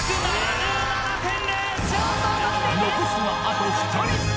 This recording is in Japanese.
残すはあと２人！